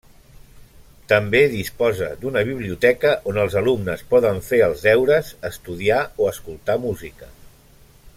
També disposa d'una biblioteca on els alumnes poden fer els deures, estudiar o escoltar música.